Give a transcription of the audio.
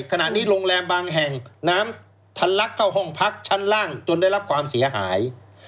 ขณะนี้โรงแรมบางแห่งน้ำทันลักเข้าห้องพักชั้นล่างจนได้รับความเสียหาย